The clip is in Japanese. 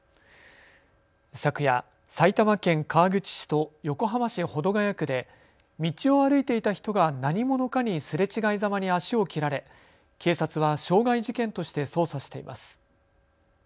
昨夜、埼玉県川口市と横浜市保土ケ谷区で道を歩いていた人が何者かにすれ違いざまに足を切られ警察は傷害事件として捜査しています。